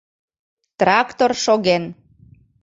Трактор шоген.